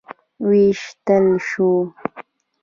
وویشتل شو.